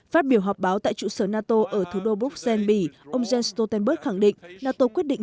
phát biểu họp báo tại trụ sở nato ở thủ đô bruxelles bỉ ông jens stoltenberg khẳng định nato quyết định